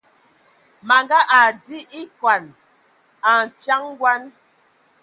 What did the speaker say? Manga adi ekɔn ai nfian ngɔn.